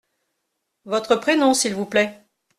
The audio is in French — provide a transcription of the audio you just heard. Votre prénom, s’il vous plait ?